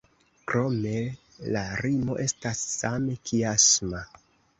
Krome la rimo estas same kiasma.